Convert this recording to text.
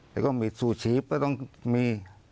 แล้วก็มีซูชีพก็ต้องมี